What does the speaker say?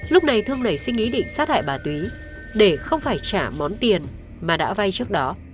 lúc này thương nảy sinh ý định sát hại bà túy để không phải trả món tiền mà đã vay trước đó